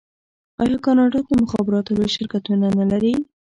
آیا کاناډا د مخابراتو لوی شرکتونه نلري؟